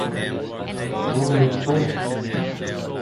My name's Ferguson.